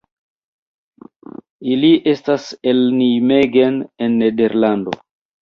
Ili estas el Nijmegen en Nederlando.